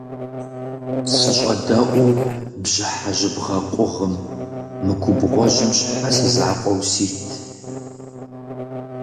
СыщӀэдэӀуу бжьыхьэ жьыбгъэ къугъым, мы губгъуэжьым щхьэ си закъуэу сит?